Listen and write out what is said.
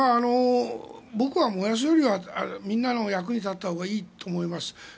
僕は燃やすよりはみんなの役に立ったほうがいいと思います。